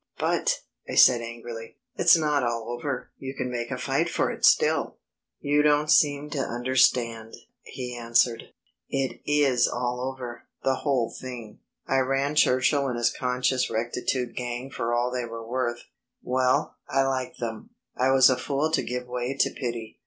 "But," I said angrily, "it's not all over, you can make a fight for it still." "You don't seem to understand," he answered, "it is all over the whole thing. I ran Churchill and his conscious rectitude gang for all they were worth.... Well, I liked them, I was a fool to give way to pity.